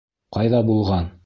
Ҡайҙа булған?